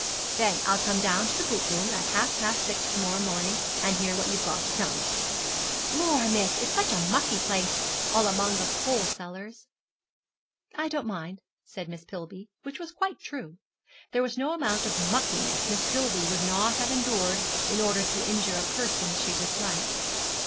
'Then I'll come down to the boot room at half past six to morrow morning and hear what you've got to tell me.' 'Lor, miss, it's such a mucky place all among the coal cellars.' 'I don't mind,' said Miss Pillby; which was quite true. There was no amount of muckiness Miss Pillby would not have endured in order to injure a person she disliked.